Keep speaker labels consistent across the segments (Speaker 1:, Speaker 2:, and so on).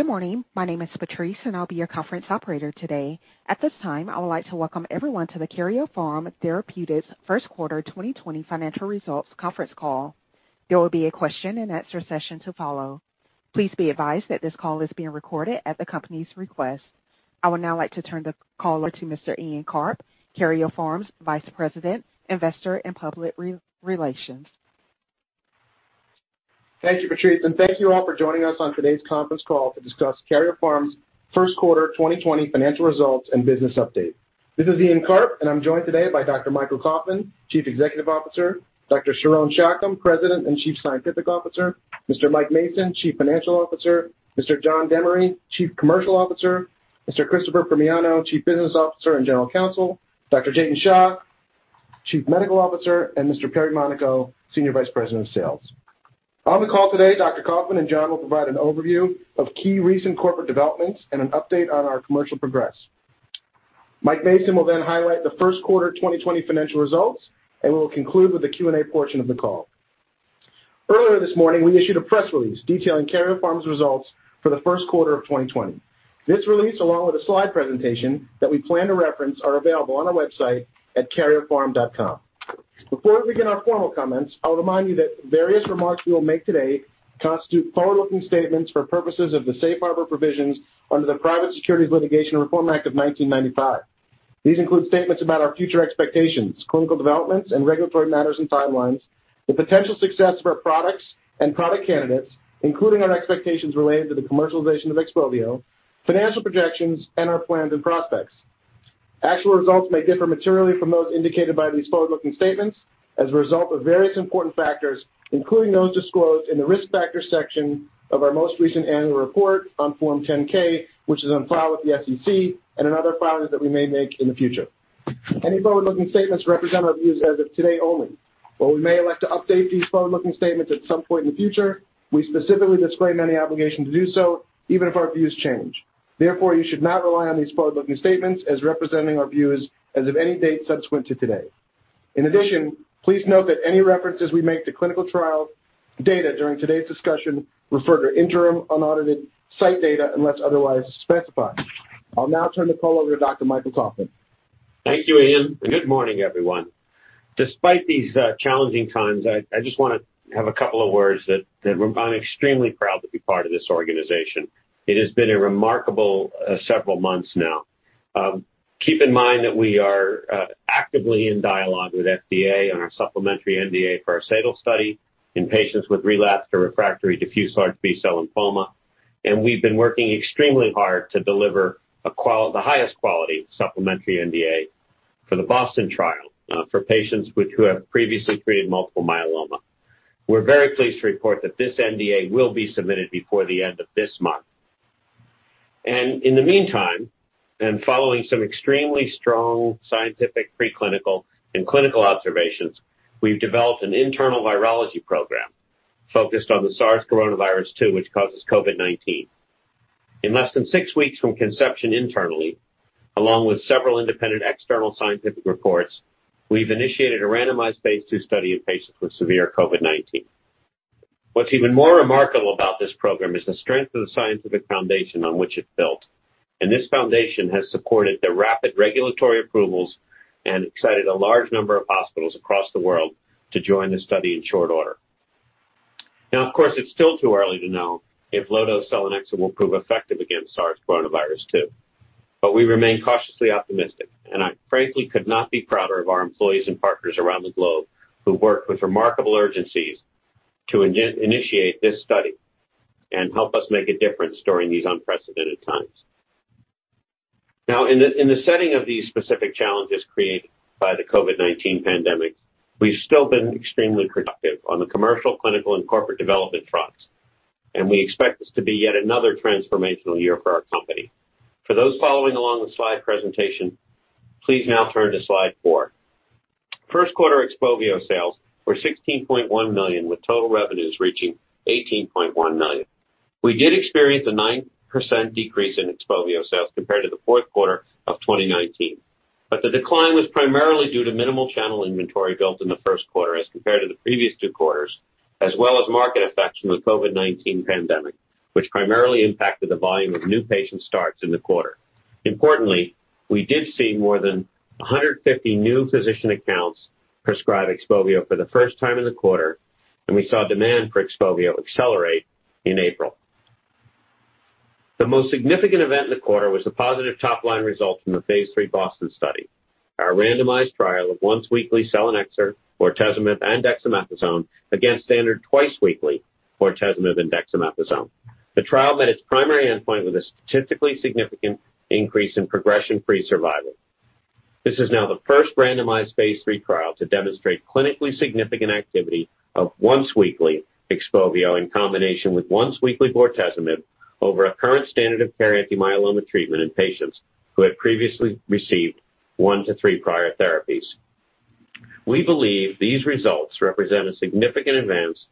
Speaker 1: Good morning. My name is Patrice, and I'll be your conference operator today. At this time, I would like to welcome everyone to the Karyopharm Therapeutics First Quarter 2020 Financial Results Conference Call. There will be a question and answer session to follow. Please be advised that this call is being recorded at the company's request. I would now like to turn the call to Mr. Ian Karp, Karyopharm's Vice President, Investor and Public Relations.
Speaker 2: Thank you, Patrice, and thank you all for joining us on today's conference call to discuss Karyopharm's first quarter 2020 financial results and business update. This is Ian Karp, and I'm joined today by Dr. Michael Kauffman, Chief Executive Officer, Dr. Sharon Shacham, President and Chief Scientific Officer, Mr. Mike Mason, Chief Financial Officer, Mr. John Demaree, Chief Commercial Officer, Mr. Christopher Primiano, Chief Business Officer and General Counsel, Dr. Jatin Shah, Chief Medical Officer, and Mr. Perry Monaco, Senior Vice President of Sales. On the call today, Dr. Kauffman and John will provide an overview of key recent corporate developments and an update on our commercial progress. Mike Mason will then highlight the first quarter 2020 financial results, and we will conclude with the Q&A portion of the call. Earlier this morning, we issued a press release detailing Karyopharm's results for the first quarter of 2020. This release, along with a slide presentation that we plan to reference, are available on our website at karyopharm.com. Before we begin our formal comments, I'll remind you that various remarks we will make today constitute forward-looking statements for purposes of the Safe Harbor provisions under the Private Securities Litigation Reform Act of 1995. These include statements about our future expectations, clinical developments, and regulatory matters and timelines, the potential success of our products and product candidates, including our expectations related to the commercialization of XPOVIO, financial projections, and our plans and prospects. Actual results may differ materially from those indicated by these forward-looking statements as a result of various important factors, including those disclosed in the Risk Factors section of our most recent annual report on Form 10-K, which is on file with the SEC, and in other filings that we may make in the future. Any forward-looking statements represent our views as of today only. While we may elect to update these forward-looking statements at some point in the future, we specifically disclaim any obligation to do so, even if our views change. Therefore, you should not rely on these forward-looking statements as representing our views as of any date subsequent to today. In addition, please note that any references we make to clinical trial data during today's discussion refer to interim, unaudited site data unless otherwise specified. I'll now turn the call over to Dr. Michael Kauffman.
Speaker 3: Thank you, Ian. Good morning, everyone. Despite these challenging times, I just want to have a couple of words that I'm extremely proud to be part of this organization. It has been a remarkable several months now. Keep in mind that we are actively in dialogue with FDA on our supplementary NDA for our SADAL study in patients with relapsed or refractory diffuse large B-cell lymphoma, and we've been working extremely hard to deliver the highest quality supplementary NDA for the BOSTON trial for patients who have previously treated multiple myeloma. We're very pleased to report that this NDA will be submitted before the end of this month. In the meantime, and following some extremely strong scientific preclinical and clinical observations, we've developed an internal virology program focused on the SARS-CoV-2, which causes COVID-19. In less than six weeks from conception internally, along with several independent external scientific reports, we've initiated a randomized phase II study in patients with severe COVID-19. What's even more remarkable about this program is the strength of the scientific foundation on which it's built. This foundation has supported the rapid regulatory approvals and excited a large number of hospitals across the world to join the study in short order. Of course, it's still too early to know if low-dose selinexor will prove effective against SARS-CoV-2. We remain cautiously optimistic, and I frankly could not be prouder of our employees and partners around the globe who worked with remarkable urgencies to initiate this study and help us make a difference during these unprecedented times. In the setting of these specific challenges created by the COVID-19 pandemic, we've still been extremely productive on the commercial, clinical, and corporate development fronts, and we expect this to be yet another transformational year for our company. For those following along on the slide presentation, please now turn to slide four. First quarter XPOVIO sales were $16.1 million, with total revenues reaching $18.1 million. We did experience a 9% decrease in XPOVIO sales compared to the fourth quarter of 2019. The decline was primarily due to minimal channel inventory built in the first quarter as compared to the previous two quarters, as well as market effects from the COVID-19 pandemic, which primarily impacted the volume of new patient starts in the quarter. Importantly, we did see more than 150 new physician accounts prescribe XPOVIO for the first time in the quarter, and we saw demand for XPOVIO accelerate in April. The most significant event in the quarter was the positive top-line results from the Phase III BOSTON study, our randomized trial of once-weekly selinexor, bortezomib, and dexamethasone against standard twice-weekly bortezomib and dexamethasone. The trial met its primary endpoint with a statistically significant increase in progression-free survival. This is now the first randomized Phase III trial to demonstrate clinically significant activity of once-weekly XPOVIO in combination with once-weekly bortezomib over a current standard of care anti-myeloma treatment in patients who had previously received one to three prior therapies. We believe these results represent a significant advance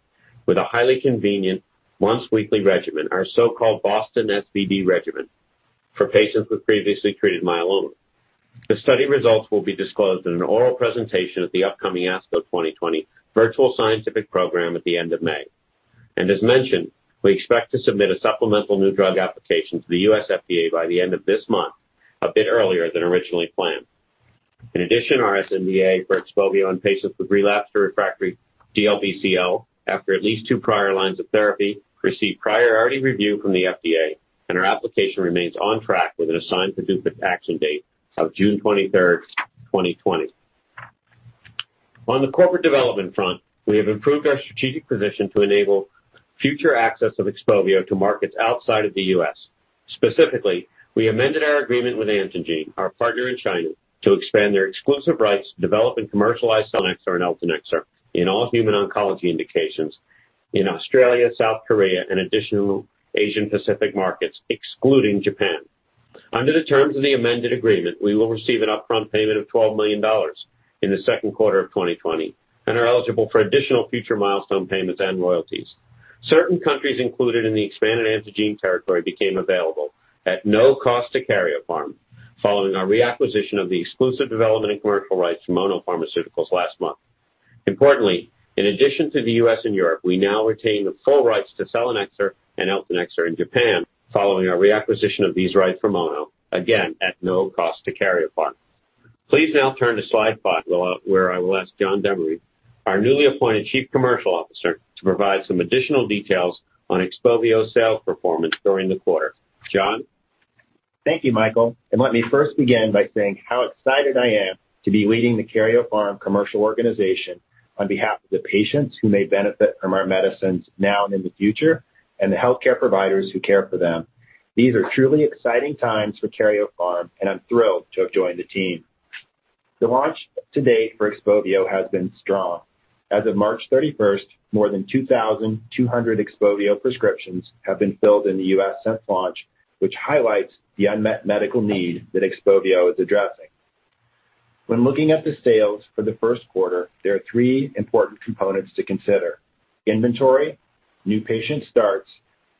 Speaker 3: with a highly convenient once-weekly regimen, our so-called BOSTON SVd regimen, for patients with previously treated myeloma. The study results will be disclosed in an oral presentation at the upcoming ASCO 2020 Virtual Scientific Program at the end of May. As mentioned, we expect to submit a supplemental new drug application to the U.S. FDA by the end of this month, a bit earlier than originally planned. In addition, our sNDA for XPOVIO in patients with relapsed or refractory DLBCL after at least two prior lines of therapy received priority review from the FDA, and our application remains on track with an assigned PDUFA action date of June 23rd, 2020. On the corporate development front, we have improved our strategic position to enable future access of XPOVIO to markets outside of the U.S. Specifically, we amended our agreement with Antengene, our partner in China, to expand their exclusive rights to develop and commercialize selinexor and eltanexor in all human oncology indications in Australia, South Korea, and additional Asian Pacific markets, excluding Japan. Under the terms of the amended agreement, we will receive an upfront payment of $12 million in the second quarter of 2020 and are eligible for additional future milestone payments and royalties. Certain countries included in the expanded Antengene territory became available at no cost to Karyopharm following our reacquisition of the exclusive development and commercial rights from Ono Pharmaceutical last month. Importantly, in addition to the U.S. and Europe, we now retain the full rights to selinexor and eltanexor in Japan following our reacquisition of these rights from Ono, again, at no cost to Karyopharm. Please now turn to slide five, where I will ask John Demaree, our newly appointed Chief Commercial Officer, to provide some additional details on XPOVIO sales performance during the quarter. John?
Speaker 4: Thank you, Michael. Let me first begin by saying how excited I am to be leading the Karyopharm commercial organization on behalf of the patients who may benefit from our medicines now and in the future, and the healthcare providers who care for them. These are truly exciting times for Karyopharm. I'm thrilled to have joined the team. The launch to date for XPOVIO has been strong. As of March 31st, more than 2,200 XPOVIO prescriptions have been filled in the U.S. since launch, which highlights the unmet medical need that XPOVIO is addressing. When looking at the sales for the first quarter, there are three important components to consider: inventory, new patient starts,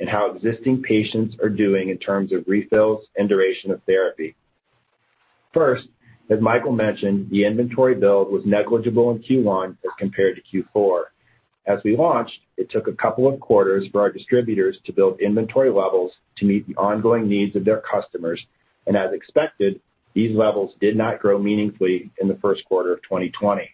Speaker 4: and how existing patients are doing in terms of refills and duration of therapy. First, as Michael mentioned, the inventory build was negligible in Q1 as compared to Q4. As we launched, it took a couple of quarters for our distributors to build inventory levels to meet the ongoing needs of their customers. As expected, these levels did not grow meaningfully in the first quarter of 2020.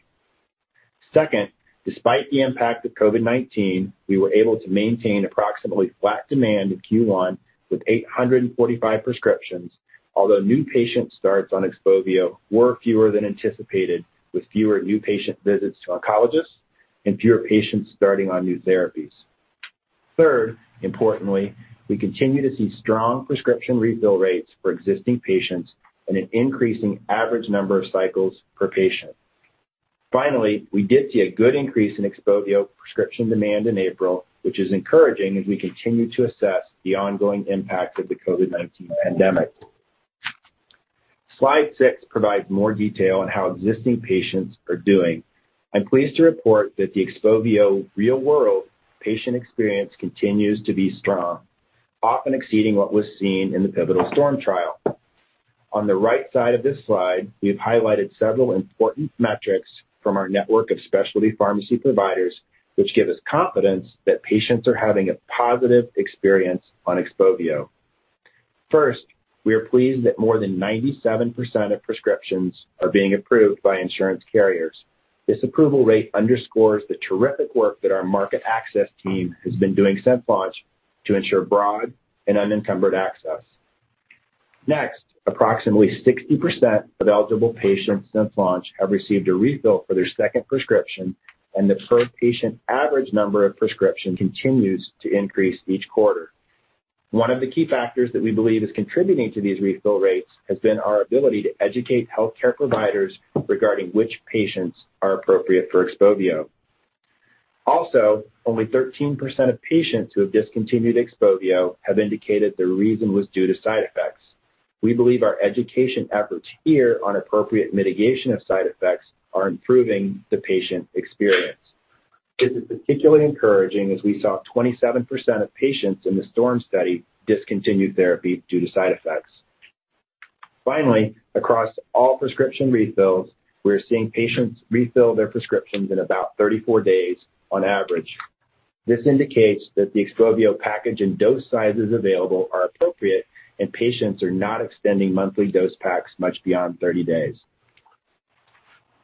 Speaker 4: Second, despite the impact of COVID-19, we were able to maintain approximately flat demand in Q1 with 845 prescriptions, although new patient starts on XPOVIO were fewer than anticipated, with fewer new patient visits to oncologists and fewer patients starting on new therapies. Third, importantly, we continue to see strong prescription refill rates for existing patients and an increasing average number of cycles per patient. We did see a good increase in XPOVIO prescription demand in April, which is encouraging as we continue to assess the ongoing impact of the COVID-19 pandemic. Slide six provides more detail on how existing patients are doing. I'm pleased to report that the XPOVIO real-world patient experience continues to be strong, often exceeding what was seen in the pivotal STORM trial. On the right side of this slide, we've highlighted several important metrics from our network of specialty pharmacy providers, which give us confidence that patients are having a positive experience on XPOVIO. First, we are pleased that more than 97% of prescriptions are being approved by insurance carriers. This approval rate underscores the terrific work that our market access team has been doing since launch to ensure broad and unencumbered access. Next, approximately 60% of eligible patients since launch have received a refill for their second prescription, and the per-patient average number of prescriptions continues to increase each quarter. One of the key factors that we believe is contributing to these refill rates has been our ability to educate healthcare providers regarding which patients are appropriate for XPOVIO. Only 13% of patients who have discontinued XPOVIO have indicated the reason was due to side effects. We believe our education efforts here on appropriate mitigation of side effects are improving the patient experience. This is particularly encouraging as we saw 27% of patients in the STORM study discontinue therapy due to side effects. Across all prescription refills, we're seeing patients refill their prescriptions in about 34 days on average. This indicates that the XPOVIO package and dose sizes available are appropriate and patients are not extending monthly dose packs much beyond 30 days.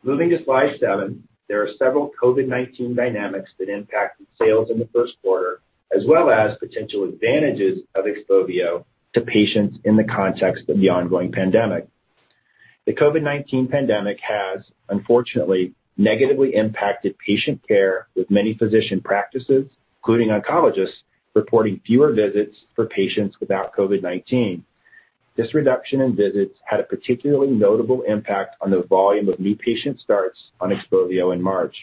Speaker 4: Moving to slide seven, there are several COVID-19 dynamics that impacted sales in the first quarter, as well as potential advantages of XPOVIO to patients in the context of the ongoing pandemic. The COVID-19 pandemic has, unfortunately, negatively impacted patient care, with many physician practices, including oncologists, reporting fewer visits for patients without COVID-19. This reduction in visits had a particularly notable impact on the volume of new patient starts on XPOVIO in March.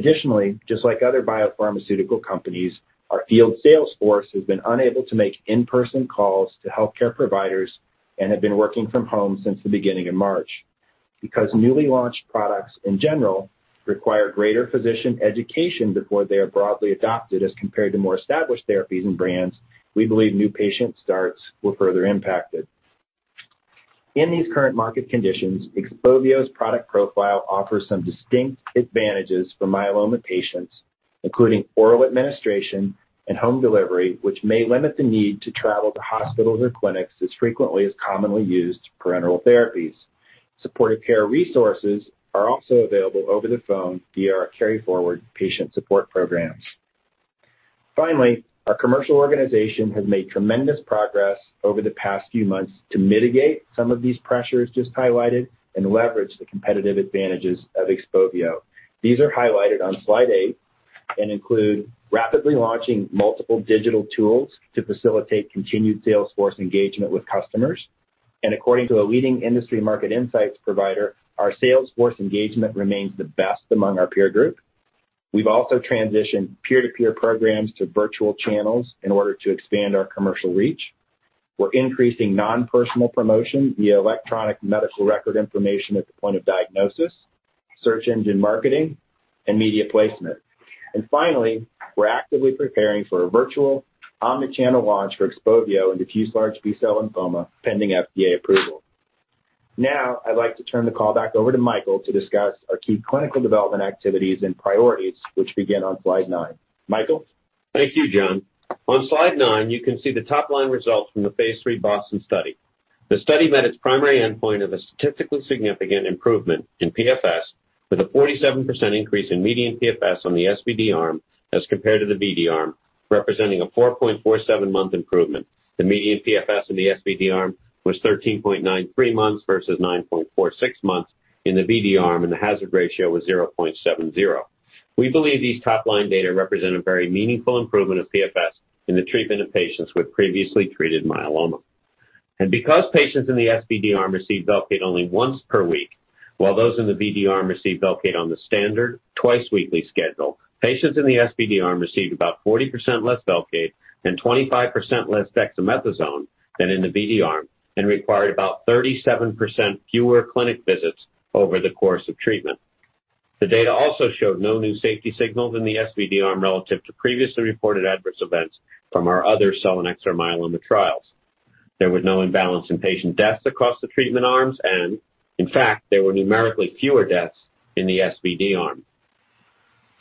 Speaker 4: Just like other biopharmaceutical companies, our field sales force has been unable to make in-person calls to healthcare providers and have been working from home since the beginning of March. Newly launched products in general require greater physician education before they are broadly adopted as compared to more established therapies and brands, we believe new patient starts were further impacted. In these current market conditions, XPOVIO's product profile offers some distinct advantages for myeloma patients, including oral administration and home delivery, which may limit the need to travel to hospitals or clinics as frequently as commonly used parenteral therapies. Supportive care resources are also available over the phone via our KaryForward patient support programs. Our commercial organization has made tremendous progress over the past few months to mitigate some of these pressures just highlighted, and leverage the competitive advantages of XPOVIO. These are highlighted on slide eight and include rapidly launching multiple digital tools to facilitate continued sales force engagement with customers. According to a leading industry market insights provider, our sales force engagement remains the best among our peer group. We've also transitioned peer-to-peer programs to virtual channels in order to expand our commercial reach. We're increasing non-personal promotion via electronic medical record information at the point of diagnosis, search engine marketing, and media placement. Finally, we're actively preparing for a virtual omni-channel launch for XPOVIO in diffuse large B-cell lymphoma, pending FDA approval. Now, I'd like to turn the call back over to Michael to discuss our key clinical development activities and priorities, which begin on slide nine. Michael?
Speaker 3: Thank you, John. On slide nine, you can see the top-line results from the phase III BOSTON study. The study met its primary endpoint of a statistically significant improvement in PFS with a 47% increase in median PFS on the SVd arm as compared to the VD arm, representing a 4.47-month improvement. The median PFS in the SVd arm was 13.93 months versus 9.46 months in the VD arm. The hazard ratio was 0.70. We believe these top-line data represent a very meaningful improvement of PFS in the treatment of patients with previously treated myeloma. Because patients in the SVD arm received Velcade only once per week, while those in the VD arm received Velcade on the standard twice-weekly schedule, patients in the SVD arm received about 40% less Velcade and 25% less Dexamethasone than in the VD arm and required about 37% fewer clinic visits over the course of treatment. The data also showed no new safety signals in the SVD arm relative to previously reported adverse events from our other Selinexor myeloma trials. There was no imbalance in patient deaths across the treatment arms. In fact, there were numerically fewer deaths in the SVD arm.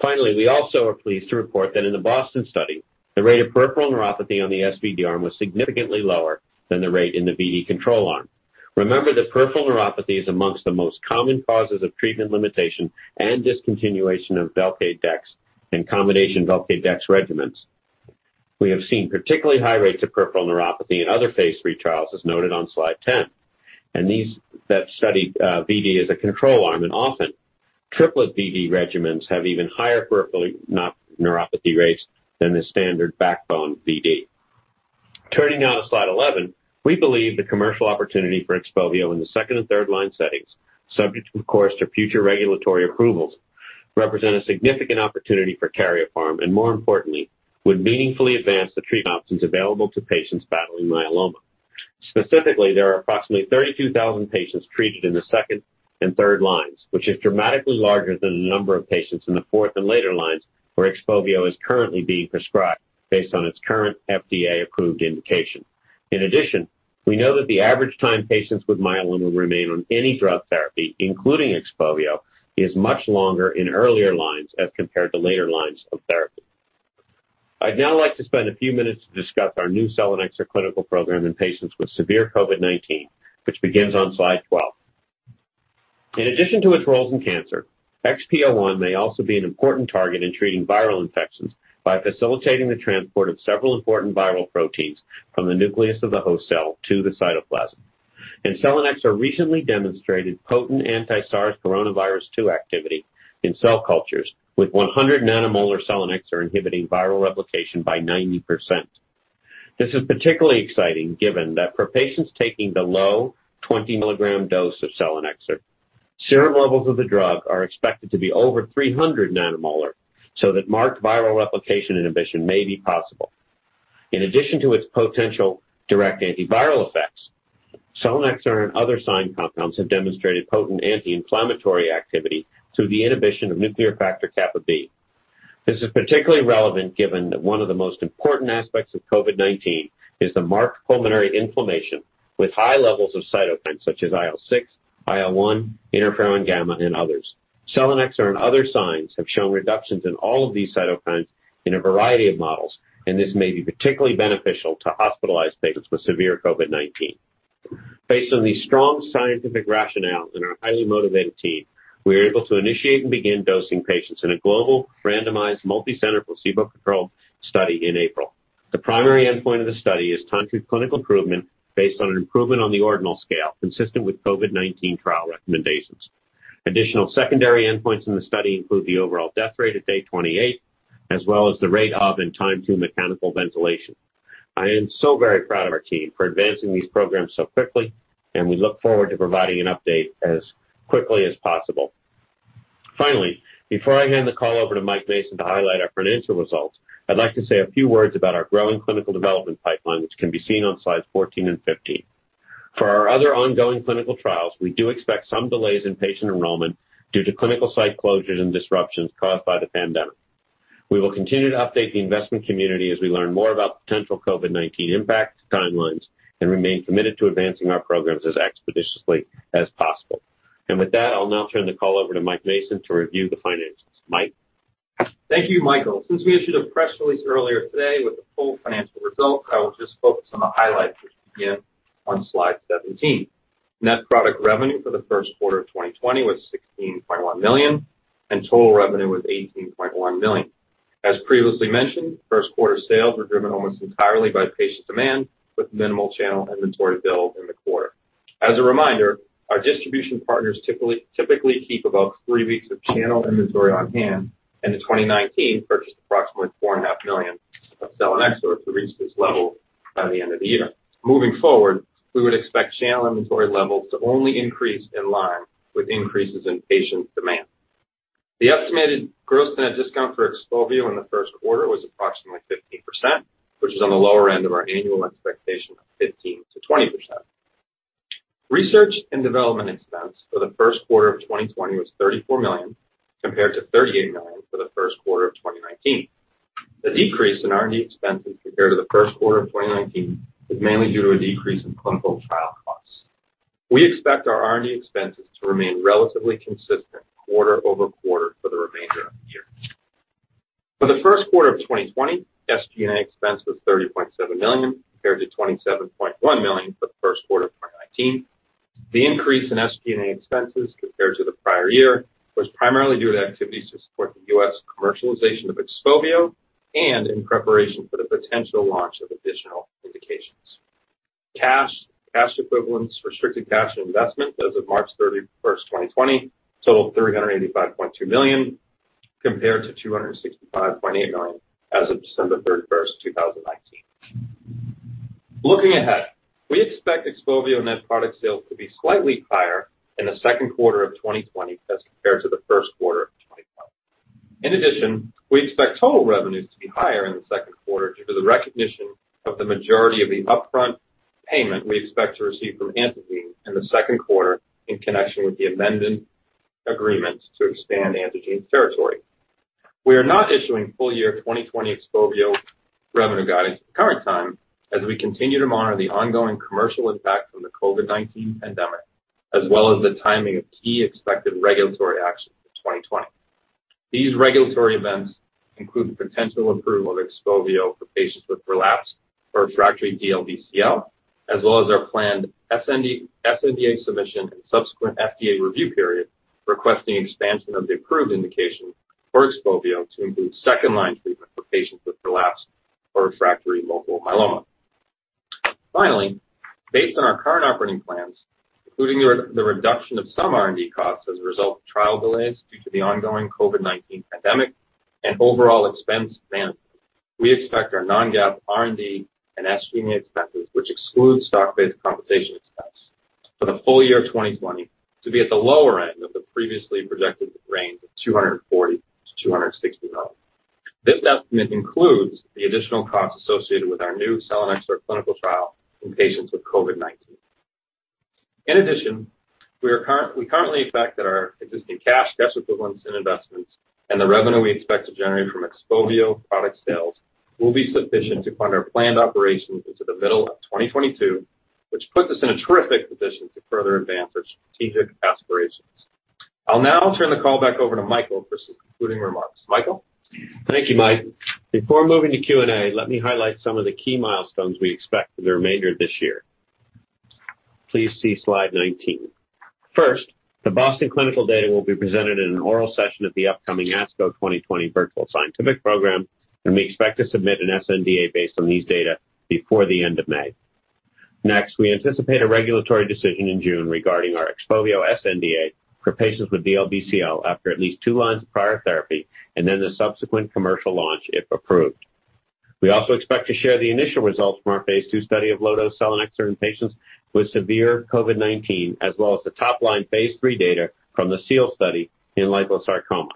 Speaker 3: Finally, we also are pleased to report that in the BOSTON study, the rate of peripheral neuropathy on the SVD arm was significantly lower than the rate in the VD control arm. Remember that peripheral neuropathy is amongst the most common causes of treatment limitation and discontinuation of Velcade, Dex, and combination Velcade-Dex regimens. We have seen particularly high rates of peripheral neuropathy in other phase III trials, as noted on slide 10, and these that studied VD as a control arm, and often triplet VD regimens have even higher peripheral neuropathy rates than the standard backbone VD. Turning now to slide 11, we believe the commercial opportunity for XPOVIO in the second and third-line settings, subject of course to future regulatory approvals, represent a significant opportunity for Karyopharm, and more importantly, would meaningfully advance the treatment options available to patients battling myeloma. Specifically, there are approximately 32,000 patients treated in the second and third lines, which is dramatically larger than the number of patients in the fourth and later lines, where XPOVIO is currently being prescribed based on its current FDA-approved indication. In addition, we know that the average time patients with myeloma will remain on any drug therapy, including XPOVIO, is much longer in earlier lines as compared to later lines of therapy. I'd now like to spend a few minutes to discuss our new selinexor clinical program in patients with severe COVID-19, which begins on slide 12. In addition to its roles in cancer, XPO1 may also be an important target in treating viral infections by facilitating the transport of several important viral proteins from the nucleus of the host cell to the cytoplasm. Selinexor recently demonstrated potent anti-SARS coronavirus 2 activity in cell cultures with 100 nanomolar Selinexor inhibiting viral replication by 90%. This is particularly exciting given that for patients taking the low 20 milligram dose of Selinexor, serum levels of the drug are expected to be over 300 nanomolar, that marked viral replication inhibition may be possible. In addition to its potential direct antiviral effects, Selinexor and other SINE compounds have demonstrated potent anti-inflammatory activity through the inhibition of nuclear factor kappa B. This is particularly relevant given that one of the most important aspects of COVID-19 is the marked pulmonary inflammation with high levels of cytokines such as IL-6, IL-1, interferon gamma, and others. Selinexor and other SINEs have shown reductions in all of these cytokines in a variety of models, this may be particularly beneficial to hospitalized patients with severe COVID-19. Based on the strong scientific rationale and our highly motivated team, we were able to initiate and begin dosing patients in a global randomized multi-center placebo-controlled study in April. The primary endpoint of the study is time to clinical improvement based on an improvement on the ordinal scale, consistent with COVID-19 trial recommendations. Additional secondary endpoints in the study include the overall death rate at day 28, as well as the rate of and time to mechanical ventilation. I am so very proud of our team for advancing these programs so quickly, and we look forward to providing an update as quickly as possible. Finally, before I hand the call over to Mike Mason to highlight our financial results, I'd like to say a few words about our growing clinical development pipeline, which can be seen on slides 14 and 15. For our other ongoing clinical trials, we do expect some delays in patient enrollment due to clinical site closures and disruptions caused by the pandemic. We will continue to update the investment community as we learn more about potential COVID-19 impact timelines and remain committed to advancing our programs as expeditiously as possible. With that, I'll now turn the call over to Mike Mason to review the finances. Mike?
Speaker 5: Thank you, Michael. Since we issued a press release earlier today with the full financial results, I will just focus on the highlights, which begin on slide 17. Net product revenue for the first quarter of 2020 was $16.1 million, and total revenue was $18.1 million. As previously mentioned, first quarter sales were driven almost entirely by patient demand, with minimal channel inventory build in the quarter. As a reminder, our distribution partners typically keep about three weeks of channel inventory on hand and in 2019, purchased approximately $4.5 million of selinexor to reach this level by the end of the year. Moving forward, we would expect channel inventory levels to only increase in line with increases in patient demand. The estimated gross net discount for XPOVIO in the first quarter was approximately 15%, which is on the lower end of our annual expectation of 15%-20%. Research and development expense for the first quarter of 2020 was $34 million, compared to $38 million for the first quarter of 2019. The decrease in R&D expenses compared to the first quarter of 2019 is mainly due to a decrease in clinical trial costs. We expect our R&D expenses to remain relatively consistent quarter-over-quarter for the remainder of the year. For the first quarter of 2020, SG&A expense was $30.7 million compared to $27.1 million for the first quarter of 2019. The increase in SG&A expenses compared to the prior year was primarily due to activities to support the U.S. commercialization of XPOVIO and in preparation for the potential launch of additional indications. Cash, cash equivalents, restricted cash and investments as of March 31st, 2020 total $385.2 million compared to $265.8 million as of December 31st, 2019. Looking ahead, we expect XPOVIO net product sales to be slightly higher in the second quarter of 2020 as compared to the first quarter of 2020. We expect total revenues to be higher in the second quarter due to the recognition of the majority of the upfront payment we expect to receive from Amgen in the second quarter in connection with the amendment agreements to expand Amgen's territory. We are not issuing full year 2020 XPOVIO revenue guidance at the current time as we continue to monitor the ongoing commercial impact from the COVID-19 pandemic, as well as the timing of key expected regulatory actions for 2020. These regulatory events include the potential approval of XPOVIO for patients with relapsed or refractory DLBCL, as well as our planned sNDA submission and subsequent FDA review period, requesting expansion of the approved indication for XPOVIO to include second-line treatment for patients with relapsed or refractory multiple myeloma. Finally, based on our current operating plans, including the reduction of some R&D costs as a result of trial delays due to the ongoing COVID-19 pandemic and overall expense management, we expect our non-GAAP R&D and SG&A expenses, which excludes stock-based compensation expense, for the full year 2020 to be at the lower end of the previously projected range of $240 million-$260 million. This estimate includes the additional costs associated with our new selinexor clinical trial in patients with COVID-19. In addition, we currently expect that our existing cash equivalents, and investments and the revenue we expect to generate from XPOVIO product sales will be sufficient to fund our planned operations into the middle of 2022, which puts us in a terrific position to further advance our strategic aspirations. I'll now turn the call back over to Michael for some concluding remarks. Michael?
Speaker 3: Thank you, Mike. Before moving to Q&A, let me highlight some of the key milestones we expect for the remainder of this year. Please see slide 19. First, the BOSTON clinical data will be presented in an oral session at the upcoming ASCO 2020 Virtual Scientific Program, and we expect to submit an sNDA based on these data before the end of May. We anticipate a regulatory decision in June regarding our XPOVIO sNDA for patients with DLBCL after at least two lines of prior therapy, and then the subsequent commercial launch if approved. We also expect to share the initial results from our phase II study of low-dose selinexor in patients with severe COVID-19, as well as the top-line phase III data from the SEAL study in liposarcoma.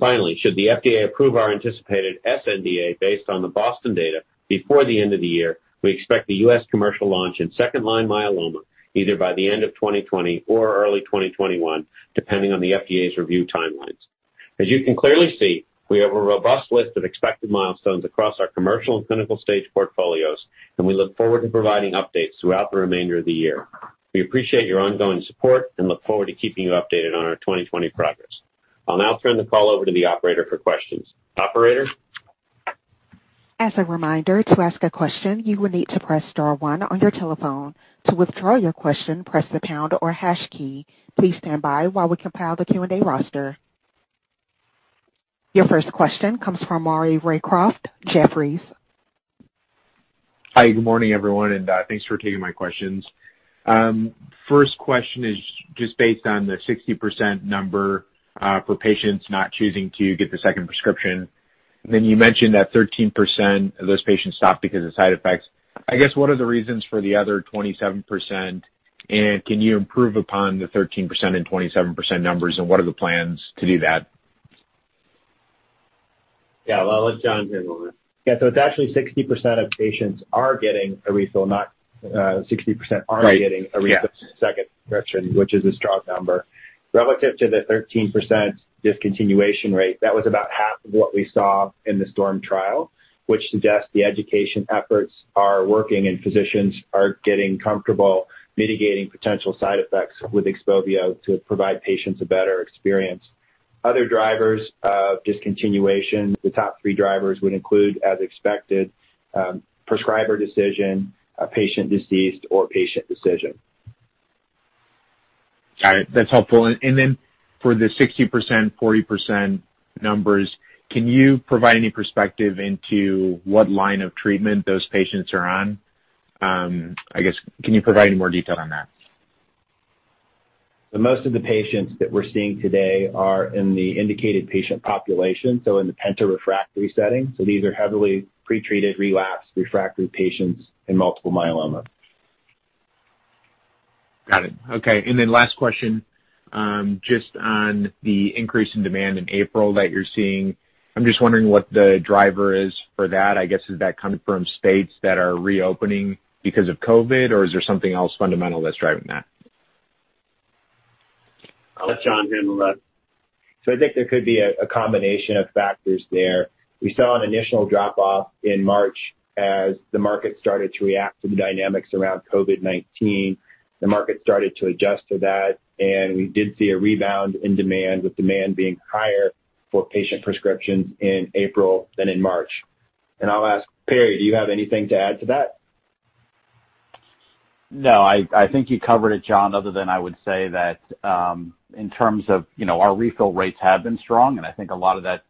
Speaker 3: Finally, should the FDA approve our anticipated sNDA based on the BOSTON data before the end of the year, we expect the U.S. commercial launch in 2nd-line myeloma either by the end of 2020 or early 2021, depending on the FDA's review timelines. As you can clearly see, we have a robust list of expected milestones across our commercial and clinical stage portfolios, and we look forward to providing updates throughout the remainder of the year. We appreciate your ongoing support and look forward to keeping you updated on our 2020 progress. I'll now turn the call over to the operator for questions. Operator?
Speaker 1: As a reminder, to ask a question, you will need to press star one on your telephone. To withdraw your question, press the pound or hash key. Please stand by while we compile the Q&A roster. Your first question comes from Maury Raycroft, Jefferies.
Speaker 6: Hi, good morning, everyone. Thanks for taking my questions. First question is just based on the 60% number for patients not choosing to get the second prescription. You mentioned that 13% of those patients stopped because of side effects. I guess, what are the reasons for the other 27%? Can you improve upon the 13% and 27% numbers, and what are the plans to do that?
Speaker 3: Yeah. Well, I'll let John handle that.
Speaker 4: Yeah. It's actually 60% of patients are getting a refill, not 60% aren't getting.
Speaker 6: Right. Yeah.
Speaker 4: A refill, second prescription, which is a strong number. Relative to the 13% discontinuation rate, that was about half of what we saw in the STORM trial, which suggests the education efforts are working and physicians are getting comfortable mitigating potential side effects with XPOVIO to provide patients a better experience. Other drivers of discontinuation, the top three drivers would include, as expected, prescriber decision, patient deceased, or patient decision.
Speaker 6: Got it. That's helpful. For the 60%, 40% numbers, can you provide any perspective into what line of treatment those patients are on? I guess, can you provide any more detail on that?
Speaker 4: Most of the patients that we're seeing today are in the indicated patient population, so in the penta-refractory setting. These are heavily pre-treated, relapsed, refractory patients in multiple myeloma.
Speaker 6: Got it. Okay, last question, just on the increase in demand in April that you're seeing. I'm just wondering what the driver is for that. I guess is that coming from states that are reopening because of COVID, or is there something else fundamental that's driving that?
Speaker 3: I'll let John handle that.
Speaker 4: I think there could be a combination of factors there. We saw an initial drop-off in March as the market started to react to the dynamics around COVID-19. The market started to adjust to that, and we did see a rebound in demand, with demand being higher for patient prescriptions in April than in March. I'll ask Perry, do you have anything to add to that?
Speaker 7: I think you covered it, John, other than I would say that, in terms of our refill rates have been strong, and I think a lot of that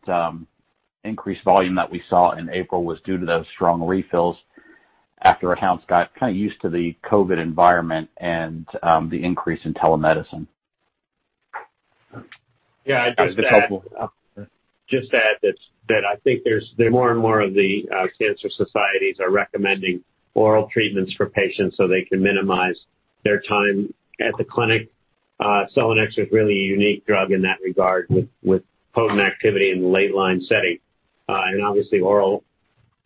Speaker 7: increased volume that we saw in April was due to those strong refills after accounts got kind of used to the COVID-19 environment and the increase in telemedicine.
Speaker 3: Yeah.
Speaker 6: That's helpful. Yeah.
Speaker 3: Just add that I think more and more of the cancer societies are recommending oral treatments for patients so they can minimize their time at the clinic. selinexor is really a unique drug in that regard, with potent activity in the late-line setting. Obviously oral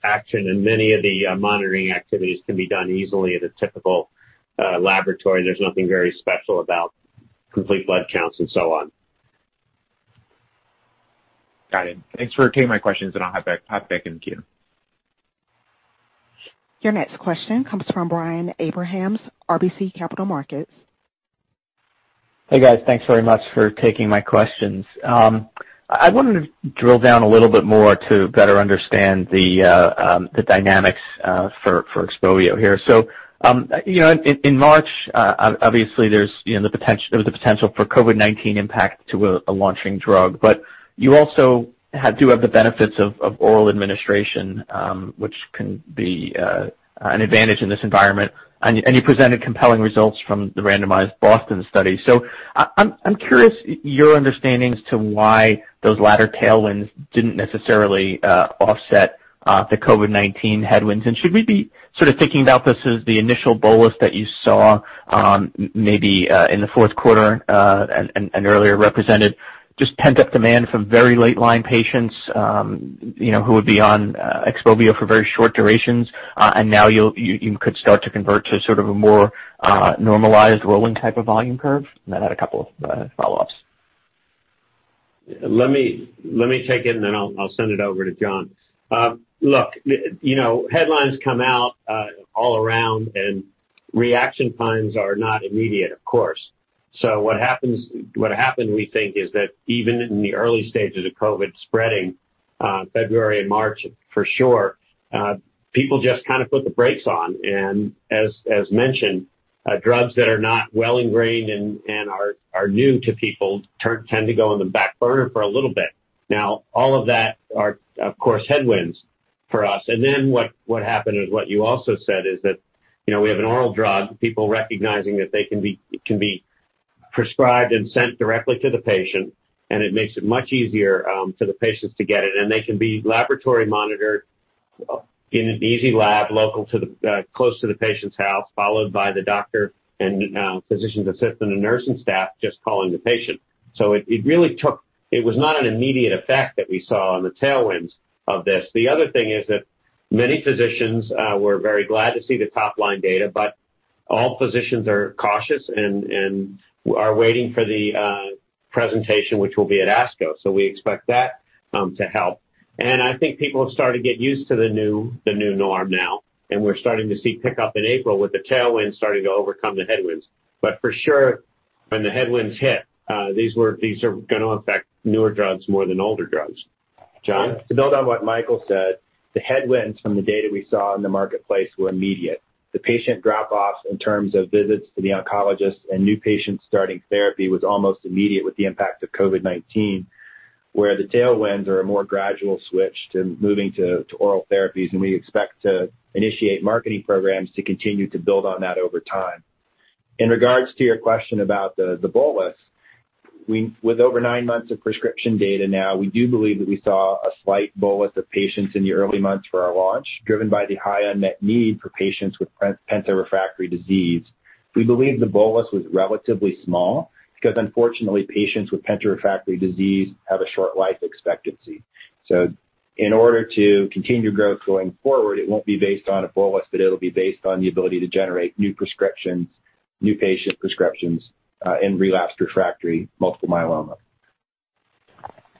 Speaker 3: action and many of the monitoring activities can be done easily at a typical laboratory. There's nothing very special about complete blood counts and so on.
Speaker 6: Got it. Thanks for taking my questions. I'll hop back in queue.
Speaker 1: Your next question comes from Brian Abrahams, RBC Capital Markets.
Speaker 8: Hey, guys. Thanks very much for taking my questions. I wanted to drill down a little bit more to better understand the dynamics for XPOVIO here. In March, obviously there was the potential for COVID-19 impact to a launching drug, but you also do have the benefits of oral administration, which can be an advantage in this environment. You presented compelling results from the randomized BOSTON study. I'm curious your understanding as to why those latter tailwinds didn't necessarily offset the COVID-19 headwinds, and should we be sort of thinking about this as the initial bolus that you saw maybe in the fourth quarter and earlier represented just pent-up demand from very late-line patients who would be on XPOVIO for very short durations, and now you could start to convert to sort of a more normalized rolling type of volume curve? I had a couple follow-ups.
Speaker 3: Let me take it, and then I'll send it over to John. Look, headlines come out all around, and reaction times are not immediate, of course. What happened, we think, is that even in the early stages of COVID spreading, February and March for sure, people just kind of put the brakes on. As mentioned, drugs that are not well ingrained and are new to people tend to go on the back burner for a little bit. Now, all of that are, of course, headwinds for us. What happened is what you also said is that we have an oral drug. People recognizing that it can be prescribed and sent directly to the patient, and it makes it much easier for the patients to get it, and they can be laboratory monitored in an easy lab, close to the patient's house, followed by the doctor and physician's assistant and nursing staff just calling the patient. It was not an immediate effect that we saw on the tailwinds of this. The other thing is that many physicians were very glad to see the top-line data, but all physicians are cautious and are waiting for the presentation, which will be at ASCO. We expect that to help. I think people are starting to get used to the new norm now, and we're starting to see pickup in April with the tailwind starting to overcome the headwinds. For sure, when the headwinds hit, these are going to affect newer drugs more than older drugs. John?
Speaker 4: To build on what Michael said, the headwinds from the data we saw in the marketplace were immediate. The patient drop-offs in terms of visits to the oncologist and new patients starting therapy was almost immediate with the impact of COVID-19, where the tailwinds are a more gradual switch to moving to oral therapies. We expect to initiate marketing programs to continue to build on that over time. In regards to your question about the bolus, with over nine months of prescription data now, we do believe that we saw a slight bolus of patients in the early months for our launch, driven by the high unmet need for patients with penta-refractory disease. We believe the bolus was relatively small because unfortunately, patients with penta-refractory disease have a short life expectancy. In order to continue growth going forward, it won't be based on a bolus, but it'll be based on the ability to generate new patient prescriptions in relapsed refractory multiple myeloma.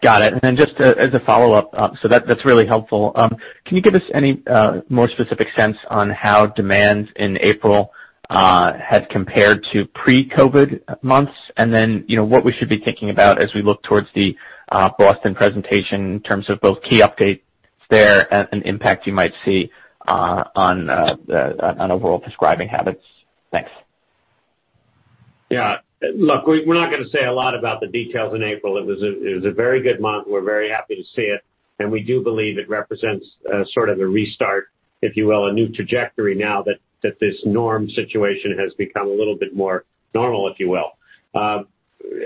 Speaker 8: Got it. Just as a follow-up, that's really helpful. Can you give us any more specific sense on how demands in April had compared to pre-COVID months? What we should be thinking about as we look towards the Boston presentation in terms of both key updates there and impact you might see on overall prescribing habits. Thanks.
Speaker 3: Yeah. Look, we're not going to say a lot about the details in April. It was a very good month. We're very happy to see it, and we do believe it represents sort of a restart, if you will, a new trajectory now that this norm situation has become a little bit more normal, if you will.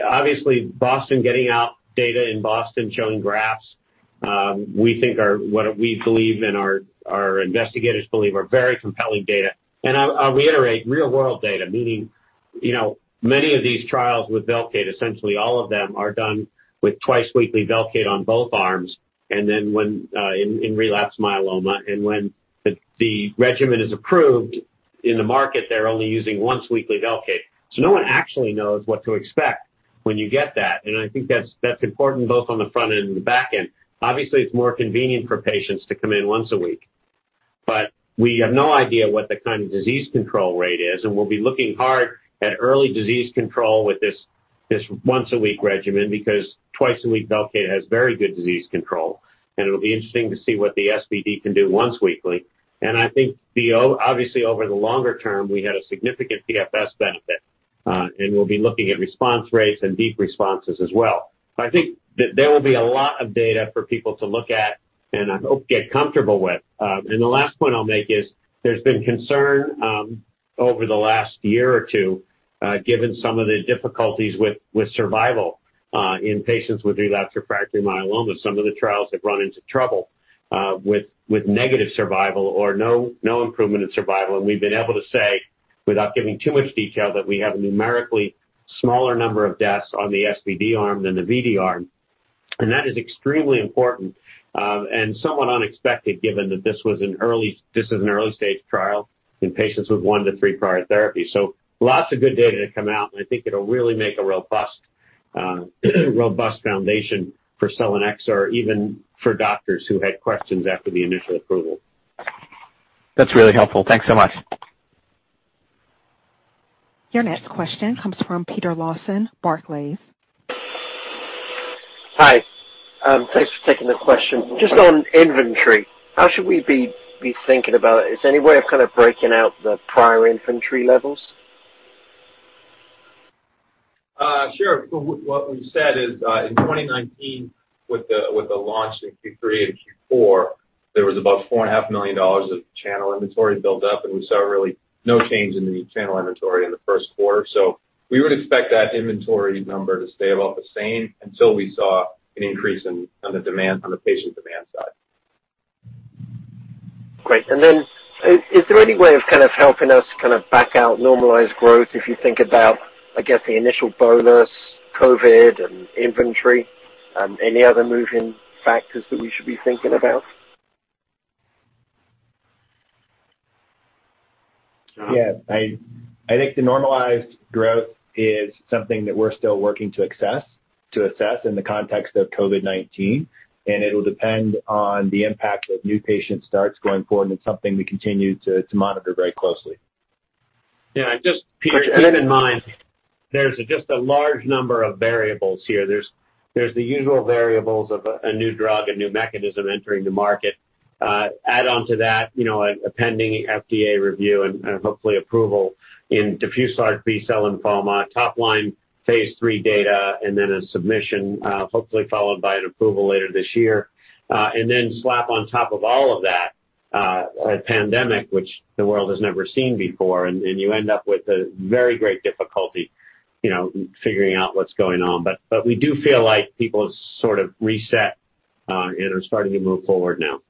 Speaker 3: Obviously, BOSTON getting out data in BOSTON, showing graphs, we think what we believe and our investigators believe are very compelling data. I'll reiterate real-world data, meaning many of these trials with Velcade, essentially all of them are done with twice weekly Velcade on both arms, and then in relapsed myeloma. When the regimen is approved in the market, they're only using once weekly Velcade. No one actually knows what to expect when you get that. I think that's important both on the front end and the back end. Obviously, it's more convenient for patients to come in once a week, but we have no idea what the kind of disease control rate is. We'll be looking hard at early disease control with this once-a-week regimen, because twice-a-week Velcade has very good disease control. It'll be interesting to see what the SVd can do once weekly. I think obviously over the longer term, we had a significant PFS benefit. We'll be looking at response rates and deep responses as well. I think that there will be a lot of data for people to look at and I hope get comfortable with. The last point I'll make is, there's been concern over the last year or two, given some of the difficulties with survival in patients with relapsed refractory myeloma. Some of the trials have run into trouble with negative survival or no improvement in survival. We've been able to say, without giving too much detail, that we have a numerically smaller number of deaths on the SVd arm than the VD arm, and that is extremely important, and somewhat unexpected given that this is an early-stage trial in patients with one to three prior therapy. Lots of good data to come out, and I think it'll really make a robust foundation for selinexor, even for doctors who had questions after the initial approval.
Speaker 8: That's really helpful. Thanks so much.
Speaker 1: Your next question comes from Peter Lawson, Barclays.
Speaker 9: Hi. Thanks for taking the question. Just on inventory, how should we be thinking about it? Is there any way of kind of breaking out the prior inventory levels?
Speaker 5: Sure. What we've said is in 2019 with the launch in Q3 and Q4, there was about $4.5 million of channel inventory built up, and we saw really no change in the channel inventory in the first quarter. We would expect that inventory number to stay about the same until we saw an increase on the patient demand side.
Speaker 9: Great. Then is there any way of kind of helping us back out normalized growth if you think about, I guess, the initial bonus, COVID and inventory, any other moving factors that we should be thinking about?
Speaker 4: Yeah. I think the normalized growth is something that we're still working to assess in the context of COVID-19, and it'll depend on the impact of new patient starts going forward, and it's something we continue to monitor very closely.
Speaker 3: Yeah. Just keep that in mind. There's just a large number of variables here. There's the usual variables of a new drug, a new mechanism entering the market. Add onto that, a pending FDA review and hopefully approval in diffuse large B-cell lymphoma, top line phase III data, then a submission hopefully followed by an approval later this year. Then slap on top of all of that, a pandemic which the world has never seen before, and you end up with a very great difficulty figuring out what's going on. We do feel like people have sort of reset, and are starting to move forward now.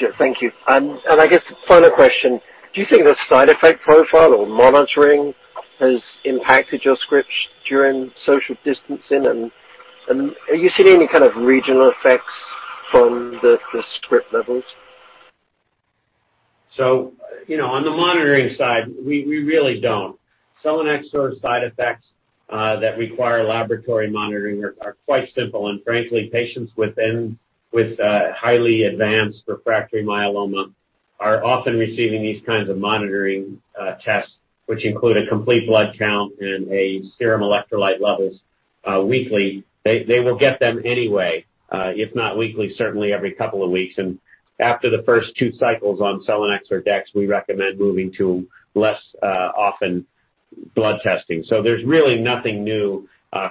Speaker 9: Gotcha. Thank you. I guess final question, do you think the side effect profile or monitoring has impacted your scripts during social distancing, and are you seeing any kind of regional effects from the script levels?
Speaker 3: On the monitoring side, we really don't. selinexor side effects that require laboratory monitoring are quite simple, and frankly, patients with highly advanced refractory myeloma are often receiving these kinds of monitoring tests, which include a complete blood count and a serum electrolyte levels weekly. They will get them anyway, if not weekly, certainly every couple of weeks. After the first two cycles on selinexor dex, we recommend moving to less often blood testing. There's really nothing new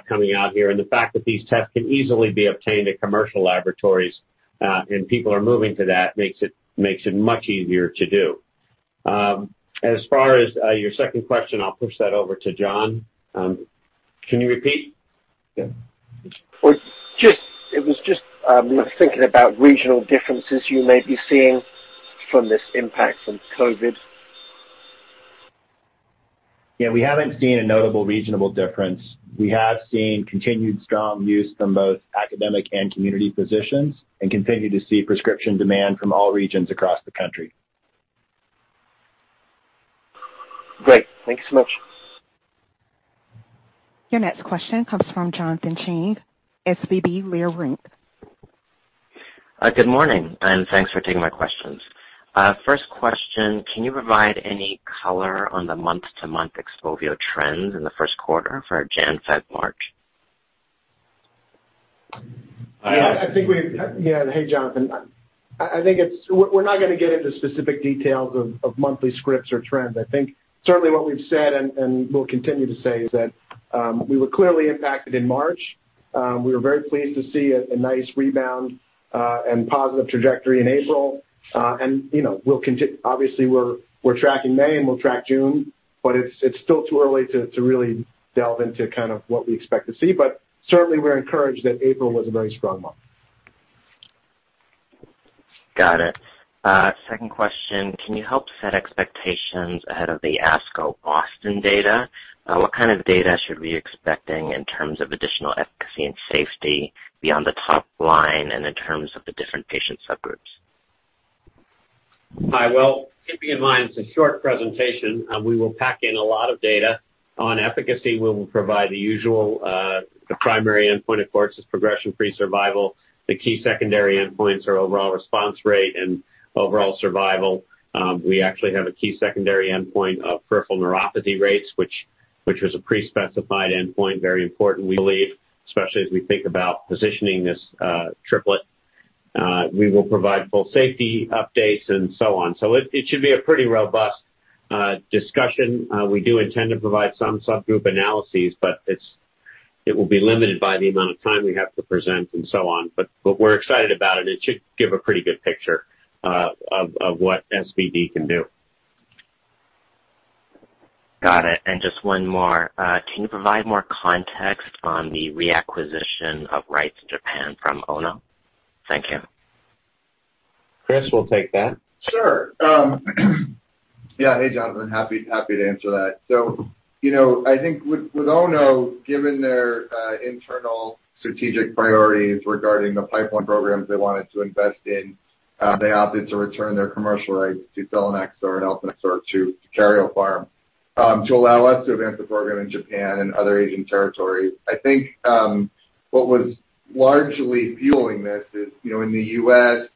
Speaker 3: coming out here, and the fact that these tests can easily be obtained at commercial laboratories, and people are moving to that, makes it much easier to do. As far as your second question, I'll push that over to John. Can you repeat? Yeah.
Speaker 9: It was just, I'm thinking about regional differences you may be seeing from this impact from COVID.
Speaker 3: We haven't seen a notable regional difference. We have seen continued strong use from both academic and community physicians and continue to see prescription demand from all regions across the country.
Speaker 9: Great. Thank you so much.
Speaker 1: Your next question comes from Jonathan Chang, SVB Leerink.
Speaker 10: Good morning. Thanks for taking my questions. First question, can you provide any color on the month-to-month XPOVIO trends in the first quarter for January, February, March?
Speaker 3: Hey, Jonathan. We're not going to get into specific details of monthly scripts or trends. I think certainly what we've said and we'll continue to say is that we were clearly impacted in March. We were very pleased to see a nice rebound, and positive trajectory in April. Obviously, we're tracking May and we'll track June, but it's still too early to really delve into what we expect to see. Certainly, we're encouraged that April was a very strong month.
Speaker 10: Got it. Second question, can you help set expectations ahead of the ASCO Boston data? What kind of data should we be expecting in terms of additional efficacy and safety beyond the top line and in terms of the different patient subgroups?
Speaker 3: Well, keeping in mind it's a short presentation, we will pack in a lot of data. On efficacy, we will provide the usual. The primary endpoint, of course, is progression-free survival. The key secondary endpoints are overall response rate and overall survival. We actually have a key secondary endpoint of peripheral neuropathy rates, which was a pre-specified endpoint, very important we believe, especially as we think about positioning this triplet. We will provide full safety updates and so on. It should be a pretty robust discussion. We do intend to provide some subgroup analyses, but it will be limited by the amount of time we have to present and so on. We're excited about it. It should give a pretty good picture of what SVd can do.
Speaker 10: Got it. Just one more. Can you provide more context on the reacquisition of rights in Japan from Ono? Thank you.
Speaker 3: Chris will take that.
Speaker 11: Sure. Yeah. Hey, Jonathan. Happy to answer that. I think with Ono, given their internal strategic priorities regarding the pipeline programs they wanted to invest in, they opted to return their commercial rights to selinexor and eltanexor to Karyopharm to allow us to advance the program in Japan and other Asian territories. I think what was largely fueling this is, in the U.S.,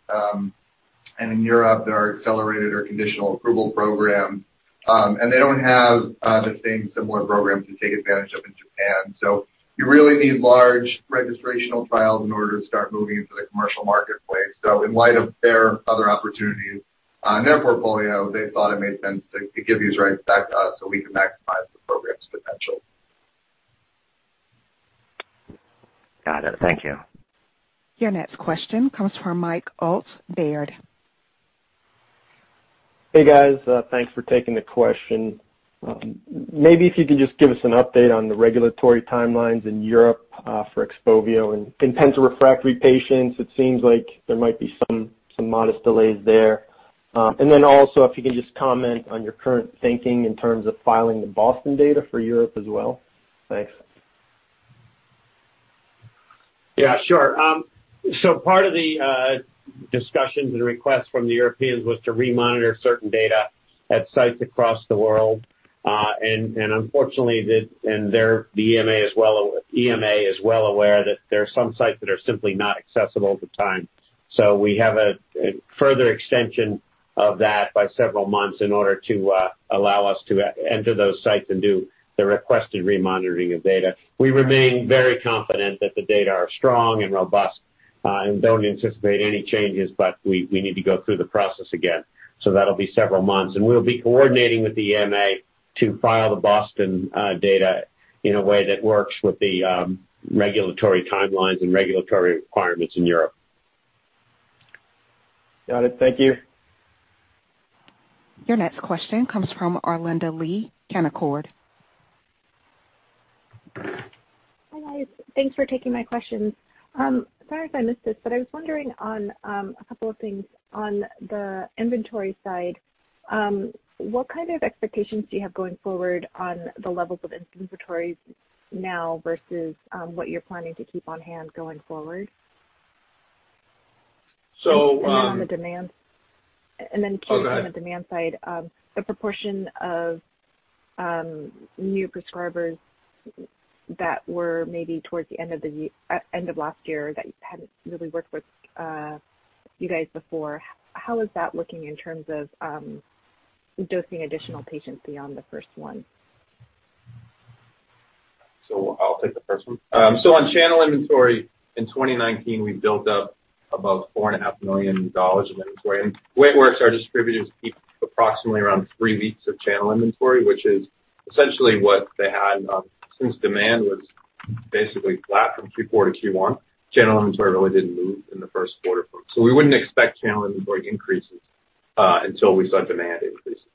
Speaker 11: and in Europe, there are accelerated or conditional approval program, and they don't have the same similar programs to take advantage of in Japan. You really need large registrational trials in order to start moving into the commercial marketplace. In light of their other opportunities in their portfolio, they thought it made sense to give these rights back to us so we can maximize the program's potential.
Speaker 10: Got it. Thank you.
Speaker 1: Your next question comes from Michael Ulz, Baird.
Speaker 12: Hey, guys. Thanks for taking the question. Maybe if you can just give us an update on the regulatory timelines in Europe for XPOVIO in penta-refractory patients. It seems like there might be some modest delays there. Also, if you can just comment on your current thinking in terms of filing the BOSTON data for Europe as well. Thanks.
Speaker 3: Yeah, sure. Part of the discussions and requests from the Europeans was to re-monitor certain data at sites across the world. Unfortunately, the EMA is well aware that there are some sites that are simply not accessible at the time. We have a further extension of that by several months in order to allow us to enter those sites and do the requested re-monitoring of data. We remain very confident that the data are strong and robust, and don't anticipate any changes, but we need to go through the process again. That'll be several months. We'll be coordinating with the EMA to file the BOSTON data in a way that works with the regulatory timelines and regulatory requirements in Europe.
Speaker 12: Got it. Thank you.
Speaker 1: Your next question comes from Arlinda Lee, Canaccord.
Speaker 13: Hi, guys. Thanks for taking my questions. Sorry if I missed this, I was wondering on a couple of things on the inventory side. What kind of expectations do you have going forward on the levels of inventories now versus what you're planning to keep on hand going forward?
Speaker 3: So-
Speaker 13: On the demand side-
Speaker 3: Go ahead.
Speaker 13: The proportion of new prescribers that were maybe towards the end of last year that hadn't really worked with you guys before, how is that looking in terms of dosing additional patients beyond the first one?
Speaker 11: I'll take the first one. On channel inventory in 2019, we built up about $4.5 million in inventory. The way it works, our distributors keep approximately around three weeks of channel inventory, which is essentially what they had since demand was basically flat from Q4 to Q1. Channel inventory really didn't move in the first quarter. We wouldn't expect channel inventory increases until we saw demand increases.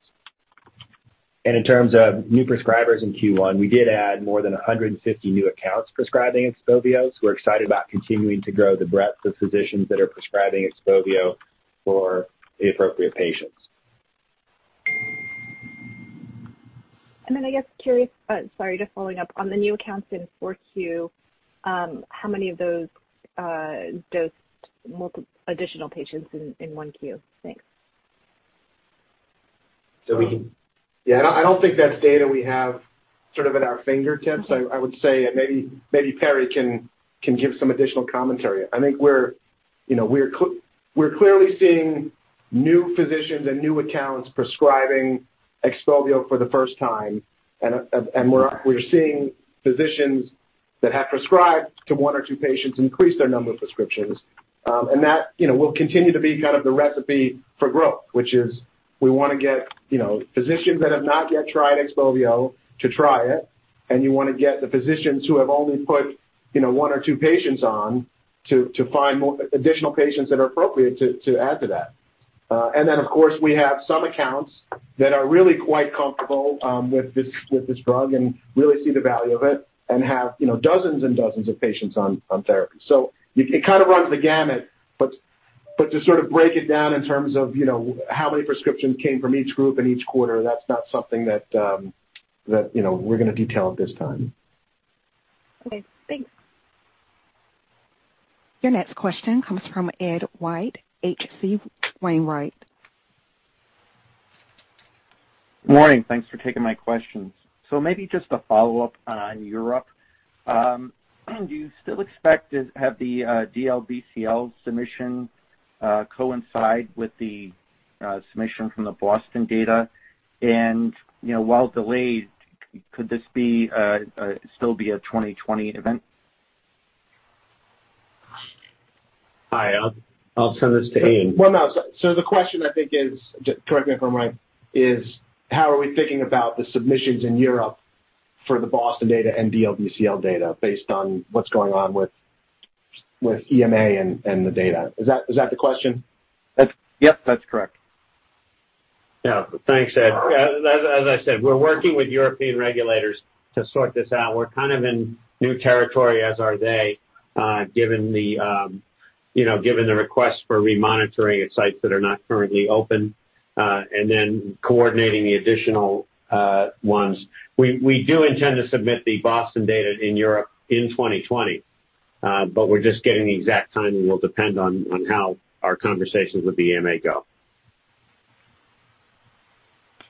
Speaker 4: In terms of new prescribers in Q1, we did add more than 150 new accounts prescribing XPOVIO. We're excited about continuing to grow the breadth of physicians that are prescribing XPOVIO for the appropriate patients.
Speaker 13: I guess, just following up on the new accounts in 4Q, how many of those dosed additional patients in 1Q? Thanks.
Speaker 4: Yeah. I don't think that's data we have sort of at our fingertips. I would say maybe Perry can give some additional commentary. I think we're clearly seeing new physicians and new accounts prescribing XPOVIO for the first time, and we're seeing physicians that have prescribed to one or two patients increase their number of prescriptions. That will continue to be kind of the recipe for growth. Which is, we want to get physicians that have not yet tried XPOVIO to try it. You want to get the physicians who have only put one or two patients on to find additional patients that are appropriate to add to that. Of course, we have some accounts that are really quite comfortable with this drug and really see the value of it and have dozens and dozens of patients on therapy. It kind of runs the gamut. To sort of break it down in terms of how many prescriptions came from each group in each quarter, that's not something that we're going to detail at this time.
Speaker 13: Okay, thanks.
Speaker 1: Your next question comes from Ed White, H.C. Wainwright.
Speaker 14: Morning. Thanks for taking my questions. Maybe just a follow-up on Europe. Do you still expect to have the DLBCL submission coincide with the submission from the BOSTON data? While delayed, could this still be a 2020 event?
Speaker 3: Hi, I'll send this to Aiden.
Speaker 14: No. The question I think is, correct me if I'm wrong, is how are we thinking about the submissions in Europe for the BOSTON data and DLBCL data based on what's going on with EMA and the data? Is that the question? Yep, that's correct.
Speaker 3: Yeah. Thanks, Ed. As I said, we're working with European regulators to sort this out. We're kind of in new territory, as are they, given the request for re-monitoring at sites that are not currently open, and then coordinating the additional ones. We do intend to submit the BOSTON data in Europe in 2020, but we're just getting the exact timing will depend on how our conversations with the EMA go.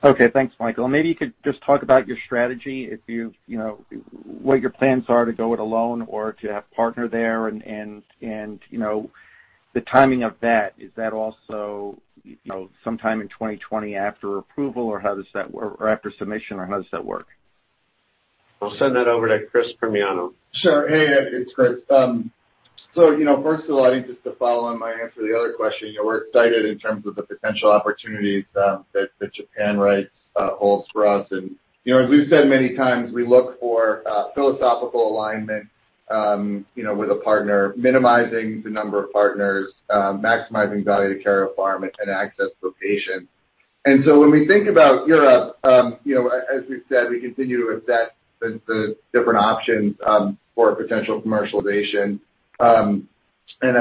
Speaker 14: Okay, thanks, Michael. Maybe you could just talk about your strategy, what your plans are to go it alone or to have partner there and the timing of that. Is that also sometime in 2020 after approval, or how does that work? After submission, or how does that work?
Speaker 3: I'll send that over to Chris Primiano.
Speaker 11: Sure. Hey, Ed, it's Chris. First of all, I think just to follow on my answer to the other question, we're excited in terms of the potential opportunities that the Japan rights holds for us. As we've said many times, we look for philosophical alignment with a partner, minimizing the number of partners, maximizing value to Karyopharm and access for patients. When we think about Europe, as we've said, we continue to assess the different options for potential commercialization. As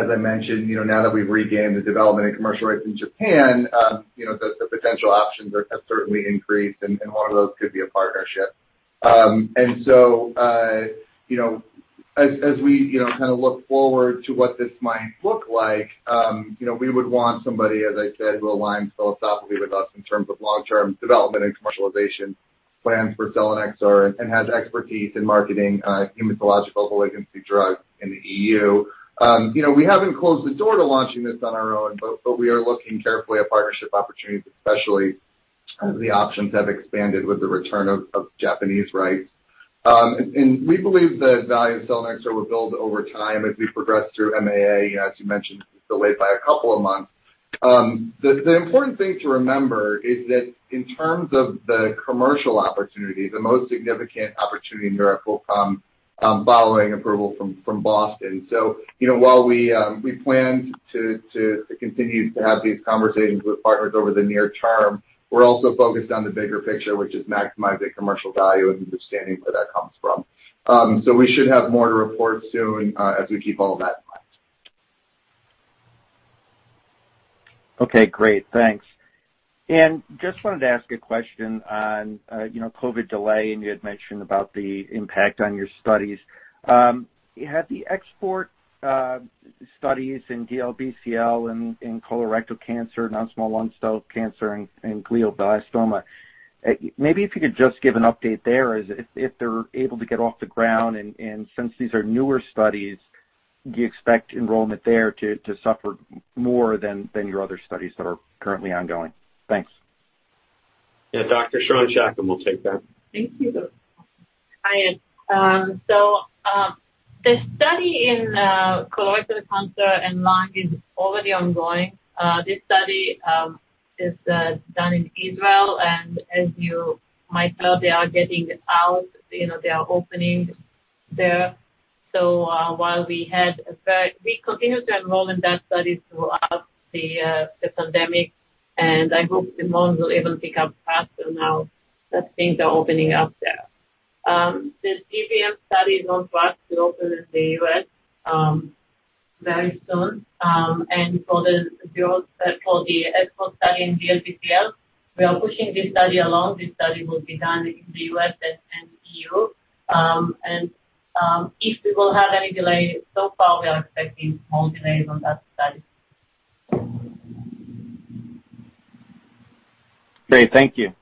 Speaker 11: I mentioned, now that we've regained the development and commercial rights in Japan, the potential options have certainly increased, and one of those could be a partnership. As we look forward to what this might look like, we would want somebody, as I said, who aligns philosophically with us in terms of long-term development and commercialization plans for selinexor and has expertise in marketing hematological malignancy drugs in the EU. We haven't closed the door to launching this on our own, but we are looking carefully at partnership opportunities, especially as the options have expanded with the return of Japanese rights. We believe the value of selinexor will build over time as we progress through MAA, as you mentioned, delayed by a couple of months. The important thing to remember is that in terms of the commercial opportunity, the most significant opportunity in Europe will come following approval from BOSTON. While we plan to continue to have these conversations with partners over the near term, we're also focused on the bigger picture, which is maximizing commercial value and understanding where that comes from. We should have more to report soon as we keep all of that in mind.
Speaker 14: Okay, great. Thanks. Just wanted to ask a question on COVID delay, and you had mentioned about the impact on your studies. Have the EXPORT studies in DLBCL and in colorectal cancer, non-small cell lung cancer, and glioblastoma, maybe if you could just give an update there, if they're able to get off the ground and since these are newer studies, do you expect enrollment there to suffer more than your other studies that are currently ongoing? Thanks.
Speaker 3: Yeah. Dr. Sharon Shacham will take that.
Speaker 13: Thank you.
Speaker 15: The study in colorectal cancer and lung is already ongoing. This study is done in Israel, and as you might know, they are getting out. They are opening there. While we had effect, we continued to enroll in that study throughout the pandemic, and I hope enrollment will even pick up faster now that things are opening up there. The GBM study in BOSTON will open in the U.S. very soon. For the EXPORT study in DLBCL, we are pushing this study along. This study will be done in the U.S. and E.U. If we will have any delay, so far we are expecting small delays on that study.
Speaker 14: Great. Thank you.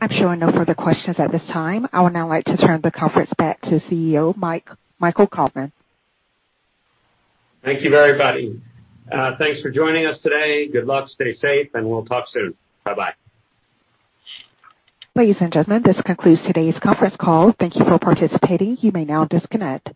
Speaker 1: I'm showing no further questions at this time. I would now like to turn the conference back to CEO, Michael Kauffman.
Speaker 3: Thank you, everybody. Thanks for joining us today. Good luck, stay safe, and we'll talk soon. Bye-bye.
Speaker 1: Ladies and gentlemen, this concludes today's conference call. Thank you for participating. You may now disconnect.